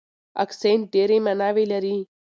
اکسنټ ډېرې ماناوې لري.